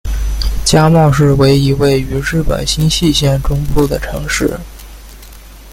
加茂市为一位于日本新舄县中部的城市。